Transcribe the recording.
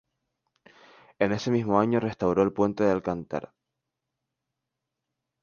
En ese mismo año restauró el puente de Alcántara.